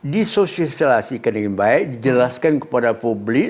di sosialisasi kena yang baik dijelaskan kepada publik